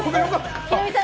ヒロミさん